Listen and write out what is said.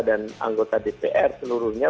dan anggota dpr seluruhnya